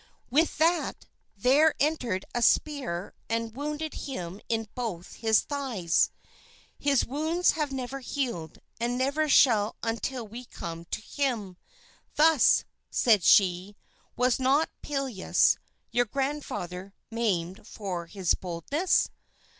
With that, there entered a spear and wounded him in both his thighs. His wounds have never healed and never shall until we come to him. Thus," said she, "was not Pelleas, your grandfather, maimed for his boldness?"